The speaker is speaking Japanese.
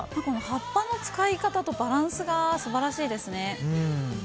葉っぱの使い方とバランスが素晴らしいですね。